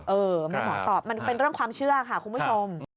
เออไม่หมอตอบมันเป็นเรื่องความเชื่อค่ะคุณผู้ชม